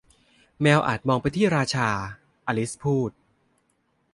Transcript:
แมวอาจมองไปที่ราชา อลิซพูด